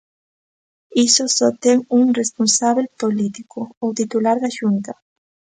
E iso só ten un responsábel político, o titular da Xunta.